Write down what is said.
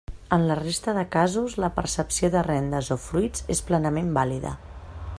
En la resta de casos, la percepció de rendes o fruits és plenament vàlida.